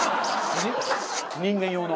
人間用の。